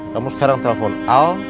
kamu sekarang telepon al